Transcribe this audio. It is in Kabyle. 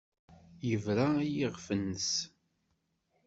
Yebra i yiɣef-nnes.